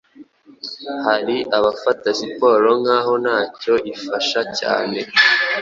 Hari abafata siporo nk’aho nta cyo ifasha cyane